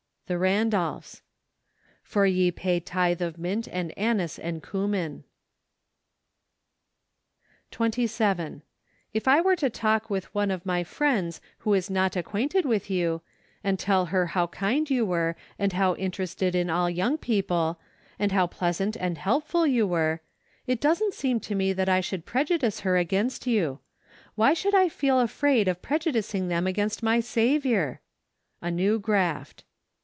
The Randolphs. " For ye pay tithe of mint and anise and cummin 48 APRIL. 27. If I were to talk with one of my friends who is not acquainted with you, and tell her how kind you were, and how interested in all young people, and how • pleasant and helpful you were, it doesn't seem to me that I should prejudice her against you. Why should I feel afraid of prejudicing them against my Saviour ? A New Graft.